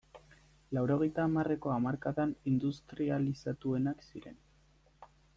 Laurogeita hamarreko hamarkadan industrializatuenak ziren.